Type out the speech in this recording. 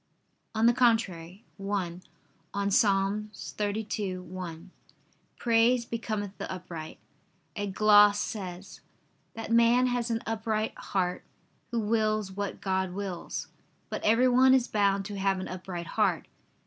On the contrary, (1) On Ps. 32:1, "Praise becometh the upright," a gloss says: "That man has an upright heart, who wills what God wills." But everyone is bound to have an upright heart.